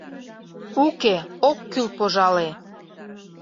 — Уке, ок кӱл, пожале.